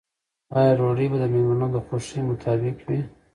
آیا ډوډۍ به د مېلمنو د خوښې مطابق وي؟